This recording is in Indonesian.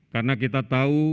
karena kita tahu